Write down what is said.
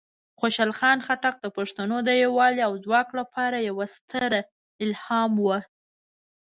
خوشحال خان خټک د پښتنو د یوالی او ځواک لپاره یوه ستره الهام وه.